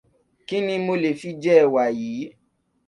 Kíni mo lè fi jẹ ẹ̀wà yìí?